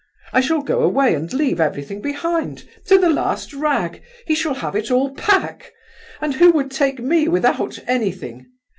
I shall go away and leave everything behind, to the last rag—he shall have it all back. And who would take me without anything?